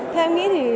theo em nghĩ thì